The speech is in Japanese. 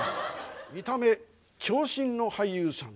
見た目長身の俳優さん。